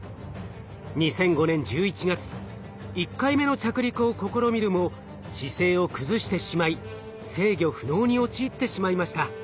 ２００５年１１月１回目の着陸を試みるも姿勢を崩してしまい制御不能に陥ってしまいました。